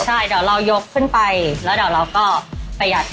ใช่เดี๋ยวเรายกขึ้นไปแล้วเดี๋ยวเราก็ประหยัด